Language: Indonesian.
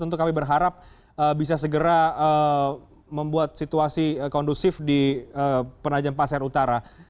tentu kami berharap bisa segera membuat situasi kondusif di penajam pasir utara